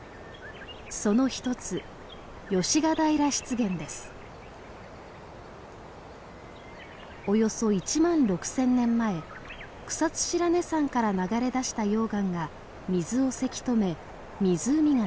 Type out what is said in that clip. その一つおよそ１万６，０００年前草津白根山から流れ出した溶岩が水をせき止め湖ができました。